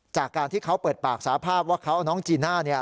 จากการที่เขาเปิดปากสาภาพว่าเขาเอาน้องจีน่าเนี่ย